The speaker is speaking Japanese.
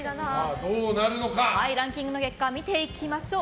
ランキングの結果見ていきましょう。